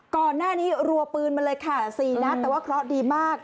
ก่อนหน้านี้รัวปืนมาเลยค่ะ๔นัดแต่ว่าเคราะห์ดีมาก